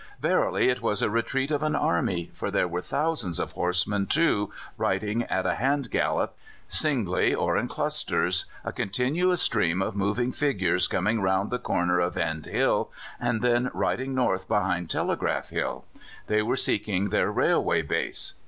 Verily, it was a retreat of an army, for there were thousands of horsemen too, riding at a hand gallop, singly or in clusters, a continuous stream of moving figures coming round the corner of End Hill and then riding north behind Telegraph Hill. They were seeking their railway base.